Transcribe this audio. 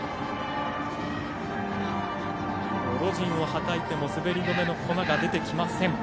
ロジンをはたいても滑り止めの粉が出てきません。